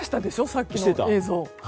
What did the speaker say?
さっきの映像。